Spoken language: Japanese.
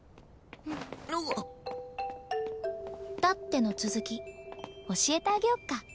「だって」の続き教えてあげよっか。